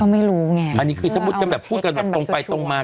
ไม่รู้ไงอันนี้คือถ้ามุติกันแบบพูดกันแบบตรงไปตรงมา